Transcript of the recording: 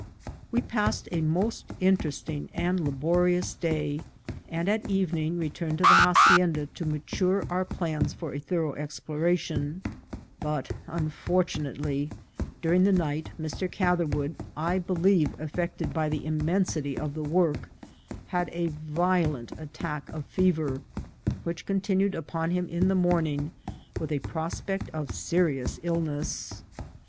We passed a most interesting and laborious day, and at evening returned to the hacienda to mature our plans for a thorough exploration ; but, unfortunately, during the night Mr. Catherwood, I believe affected by the immensity of the work, had a violent attack of fever, which continued upon him in the morning, with a pros pect of serious illness.